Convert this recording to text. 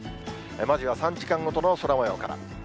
まずは３時間ごとの空もようから。